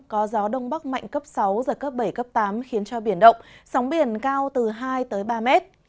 có gió đông bắc mạnh cấp sáu giật cấp bảy cấp tám khiến cho biển động sóng biển cao từ hai tới ba mét